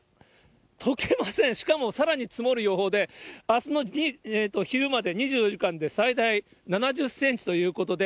とけません、しかも、さらに積もる予報で、あすの昼まで２４時間で、最大７０センチということで。